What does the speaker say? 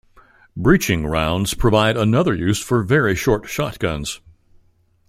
Breaching rounds provide another use for very short shotguns.